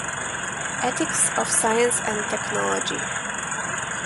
Ethics of science and technology.